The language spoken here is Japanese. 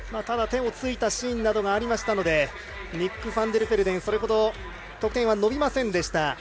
ただ、手をついたシーンなどがあったのでニック・ファンデルフェルデンそれほど得点は伸びませんでした。